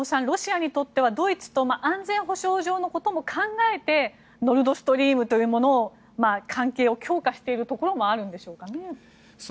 ロシアにとってはドイツと安全保障上のことも考えてノルドストリームというものを関係を強化しているところもあるんでしょうか。